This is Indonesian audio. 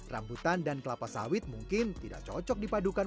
rambutan dan kelapa sawit mungkin tidak cocok dipadukan